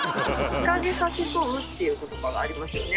「ひかげさしそう」っていう言葉がありますよね。